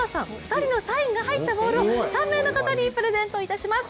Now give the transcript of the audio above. ２人のサインが入ったボールを３名の方にプレゼントいたします。